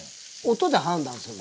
音で判断する。